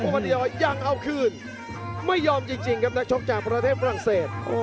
วันเดียวยังเอาคืนไม่ยอมจริงครับนักชกจากประเทศฝรั่งเศส